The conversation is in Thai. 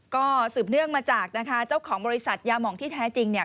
ก็สืบเนื่องมาจากนะคะเจ้าของบริษัทยาหมองที่แท้จริงเนี่ย